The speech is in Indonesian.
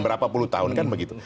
berapa puluh tahun kan begitu